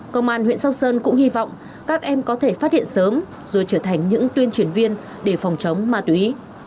công an huyện sóc sơn cũng hy vọng các em có thể phát hiện sớm rồi trở thành những tuyên truyền viên để phòng chống ma túy